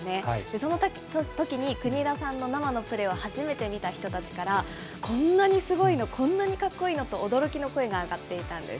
そのときに、国枝さんの生のプレーを初めて見た人たちから、こんなにすごいの、こんなにかっこいいのと、驚きの声が上がっていたんです。